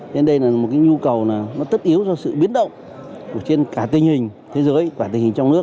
nên đây là một nhu cầu tất yếu cho sự biến động trên cả tình hình thế giới